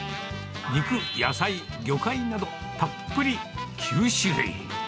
肉、野菜、魚介など、たっぷり９種類。